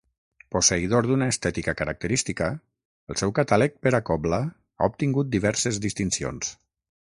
Posseïdor d'una estètica característica, el seu catàleg per a cobla ha obtingut diverses distincions.